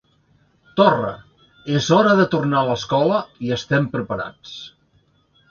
Torra: ‘És hora de tornar a l’escola i estem preparats’